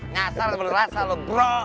ngasar berasa lu bro